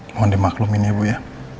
mohon dimaklum ini ibu ya